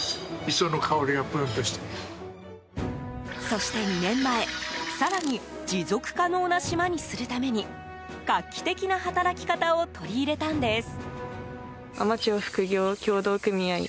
そして２年前更に持続可能な島にするために画期的な働き方を取り入れたんです。